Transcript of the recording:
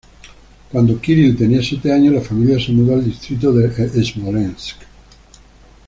Cuando Kirill tenía siete años, la familia se mudó al distrito de Smolensk.